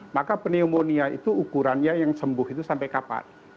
maka pneumonia itu ukurannya yang sembuh itu sampai kapan